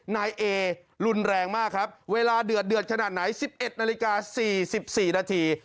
นายเอรุนแรงมากครับเวลาเดือดขนาดไหน๑๑นาฬิกา๔๔นาที